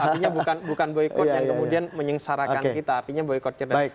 artinya bukan boykot yang kemudian menyengsarakan kita artinya boykot cerdas